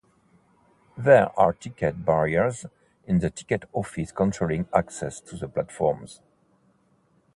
There are ticket barriers in the ticket office controlling access to the platforms.